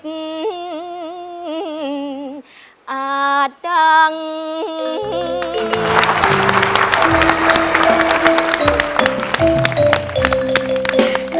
หนูจะสู้ถวายทีวิช